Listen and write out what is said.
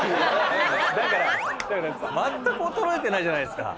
まったく衰えてないじゃないですか。